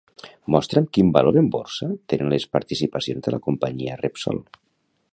Mostra'm quin valor en borsa tenen les participacions de la companyia Repsol.